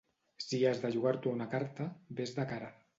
Si has de jugar-t'ho a una carta, vés de cara.